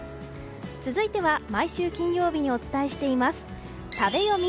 続いては、毎週金曜日にお伝えしています食べヨミ。